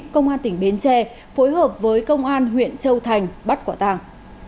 công an tỉnh bến tre phối hợp với công an huyện châu thành bắt quả tàng